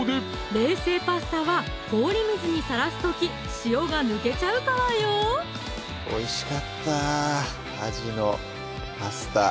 冷製パスタは氷水にさらす時塩が抜けちゃうからよおいしかったあじのパスタ